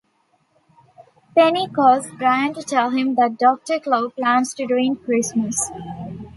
Penny calls Brain to tell him that Doctor Claw plans to ruin Christmas.